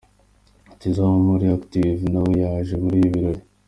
Tizzo wo muri Active nawe yaje muri ibi birori.